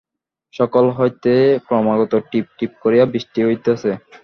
সকাল হইতে ক্রমাগত টিপ টিপ করিয়া বৃষ্টি হইতেছে।